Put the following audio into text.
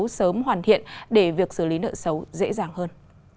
cơ cấu sớm hoàn thiện để việc xử lý nợ xấu dễ dàng hơn